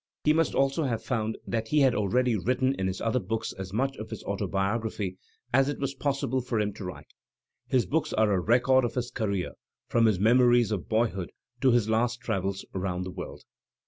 He must also have found that he had already written in his other books as much of his autobiography as it was possible for him to write. His books are a record of his career from his memo / ries of boyhood to his last travels round the world.